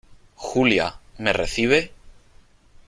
Julia ,¿ me recibe ?